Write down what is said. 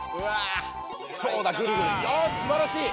そうだグルグルよしすばらしい！